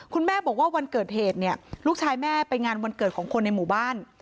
คุณแม่บอกว่าวันเกิดเหตุเนี่ยลูกชายแม่ไปงานวันเกิดของคนในหมู่บ้าน